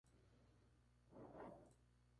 Hay una Serrezuela en Segovia y una Serrota en Ávila.